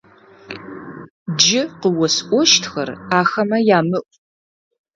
Джы къыосӀощтхэр ахэмэ ямыӀу!